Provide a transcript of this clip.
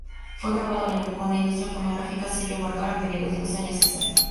Fue grabado con la industria fonográfica Sello Vergara a mediados de los años sesenta.